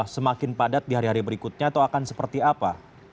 semakin padat di hari hari berikutnya atau akan seperti apa